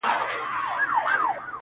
نن مي بيا پنـځه چيلمه ووهـل!